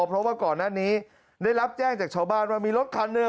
เพราะว่าก่อนหน้านี้ได้รับแจ้งจากชาวบ้านว่ามีรถคันหนึ่ง